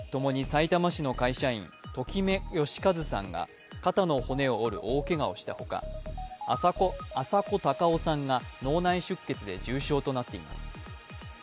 この事故でともにさいたま市の会社員時目佳一さんが肩の骨を折る大けがをしたほか浅子貴穂さんが脳内出血で重傷となっています。